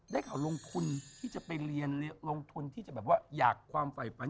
ลงทุนที่จะไปเรียนลงทุนที่จะแบบว่าอยากความฝ่ายฝัน